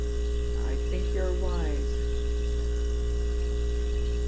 "I think you're wise," he said.